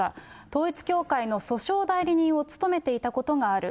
統一教会の訴訟代理人を務めていたことがある。